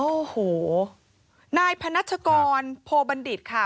โอ้โหนายพนัชกรโพบัณฑิตค่ะ